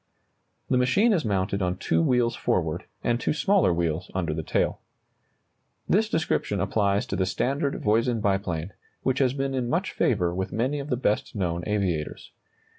] The machine is mounted on two wheels forward, and two smaller wheels under the tail. This description applies to the standard Voisin biplane, which has been in much favor with many of the best known aviators.